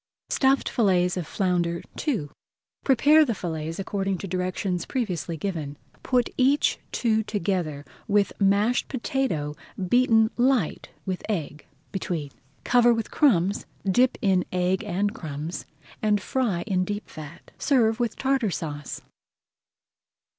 STUFFED FILLETS OF FLOUNDER II Prepare the fillets according to directions previously given. Put each two together, with mashed potato beaten light with egg between. Cover with crumbs, dip in egg and crumbs, and fry in deep fat. Serve with Tartar Sauce.